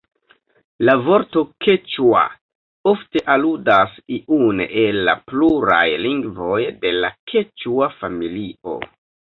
La vorto "keĉua" ofte aludas iun el la pluraj lingvoj de la keĉua familio.